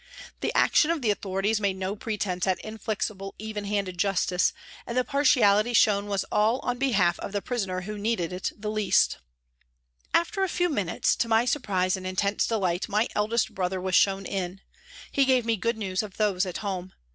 The action of the authorities made no pretence at inflexible, even handed justice, and the partiality shown was all on behalf of the prisoner who needed it least. After a few minutes, to my surprise and intense delight, my eldest brother was shown in. He gave me good news of those at home.